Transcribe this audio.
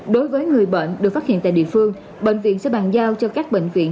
đối với người bệnh được phát hiện tại địa phương bệnh viện sẽ bàn giao cho các bệnh viện